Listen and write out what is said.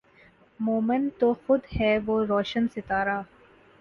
مومن تو خود ھے وہ روشن ستارا